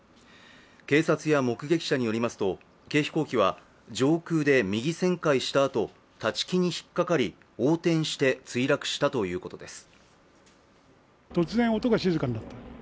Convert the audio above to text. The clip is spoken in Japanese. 警察や目撃者によりますと、軽飛行機は上空で右旋回したあと立ち木に引っかかり、横転して墜落したということです。